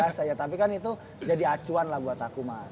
biasa ya tapi kan itu jadi acuan lah buat aku mas